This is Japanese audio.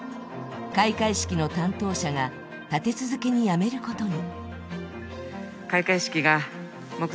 開会式の担当者が立て続けに辞めることに。